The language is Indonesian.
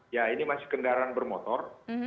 ya ini masih kendaraan bermotor